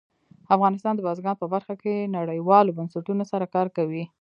افغانستان د بزګان په برخه کې نړیوالو بنسټونو سره کار کوي.